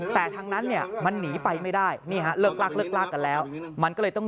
แต่ทางนั้นเนี่ยมันหนีไปไม่ได้เลิกลากกันแล้วมันก็เลยต้อง